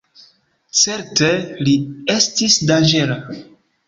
Certe, li estis danĝera.